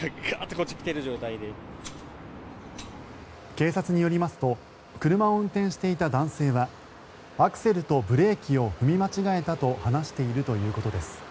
警察によりますと車を運転していた男性はアクセルとブレーキを踏み間違えたと話しているということです。